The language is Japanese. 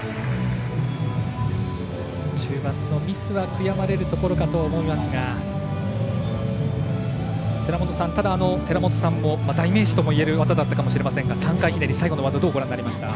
中盤のミスは悔やまれるところかと思いますが寺本さんも代名詞ともいえる技だったかもしれませんが３回ひねり、最後の技どうご覧になりました？